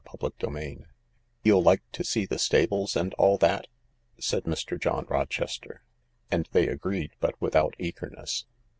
CHAPTER XVII u You'll like to see the stables and all that ?" said Mr. John Rochester. And they agreed, but without eagerness.